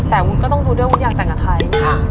แต่วุ้นก็ต้องรู้ด้วยวุ้นอยากแต่งกับใคร